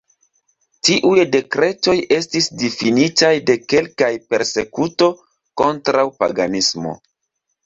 Tiuj dekretoj estis difinitaj de kelkaj Persekuto kontraŭ paganismo.